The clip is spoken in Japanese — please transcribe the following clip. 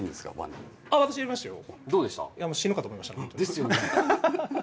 ですよね